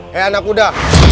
hei anak kuda